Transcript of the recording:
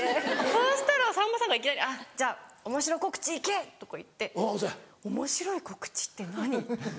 そうしたらさんまさんがいきなり「あっじゃあおもしろ告知行け」とか言っておもしろい告知って何？